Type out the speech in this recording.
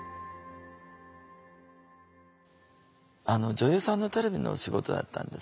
女優さんのテレビのお仕事だったんです。